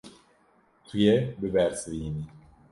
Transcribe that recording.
Tu yê bibersivînî.